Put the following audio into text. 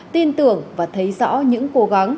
tin tưởng và thấy rõ những cố gắng